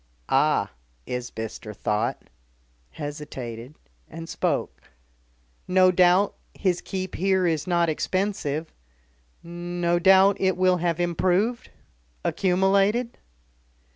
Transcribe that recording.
"Ah!" Isbister thought, hesitated and spoke: "No doubt his keep here is not expensive no doubt it will have improved accumulated?"